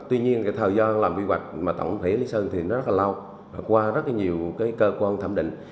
tuy nhiên thời gian làm quy hoạch tổng thể lý sơn thì rất là lâu qua rất nhiều cơ quan thẩm định